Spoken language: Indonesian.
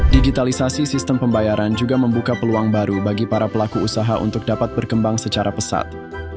digitalisasi sistem pembayaran juga membuka peluang baru bagi para pelaku usaha untuk dapat berkembang secara pesat